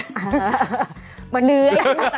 หังมาเนื้อ